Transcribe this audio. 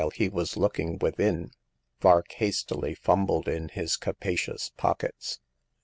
he was looking within, Vark hastily fumbled in his capacious pockets.